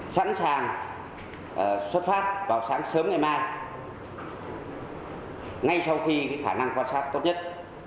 sẵn sàng xuất phát vào sáng sớm ngày mai ngay sau khi khả năng quan sát tốt nhất